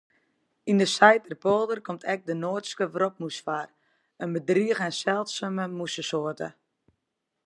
Yn de Saiterpolder komt ek de Noardske wrotmûs foar, in bedrige en seldsume mûzesoarte.